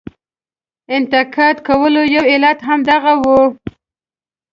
انتقاد کولو یو علت هم دغه وي.